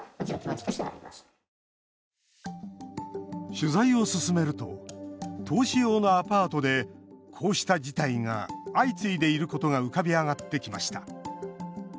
取材を進めると投資用のアパートでこうした事態が相次いでいることが浮かび上がってきました。